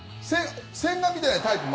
千賀みたいなタイプも